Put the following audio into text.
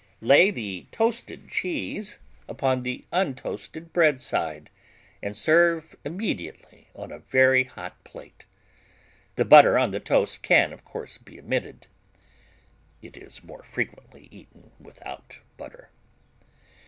Lay the toasted cheese upon the untoasted bread side and serve immediately on a very hot plate. The butter on the toast can, of course, be omitted. (It is more frequently eaten without butter.)